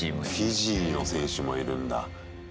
フィジーの選手もいるんだ。